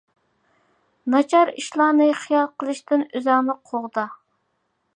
ناچار ئىشلارنى خىيال قىلىشتىن ئۆزۈڭنى قوغدا.